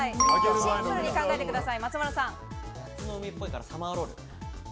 シンプルに考えてください。